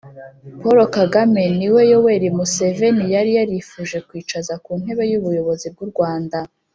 paul kagame ni we yoweri museveni yari yarifuje kwicaza ku ntebe y'ubuyobozi bw'u rwanda.